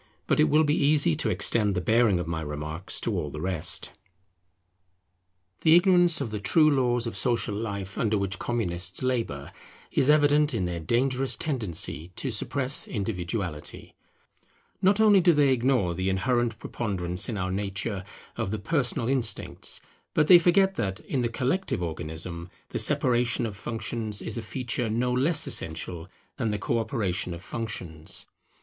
But it will be easy to extend the bearing of my remarks to all the rest. [Individualization of functions as necessary as co operation] The ignorance of the true laws of social life under which Communists labour is evident in their dangerous tendency to suppress individuality. Not only do they ignore the inherent preponderance in our nature of the personal instincts; but they forget that, in the collective Organism, the separation of functions is a feature no less essential than the co operation of functions.